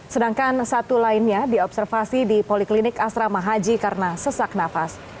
sedangkan satu lainnya diobservasi di poliklinik asrama haji karena sesak nafas